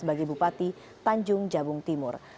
sebagai bupati tanjung jabung timur